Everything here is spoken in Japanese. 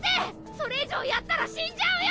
それ以上やったら死んじゃうよ！